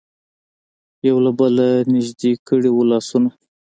یو له بله نژدې کړي وو لاسونه.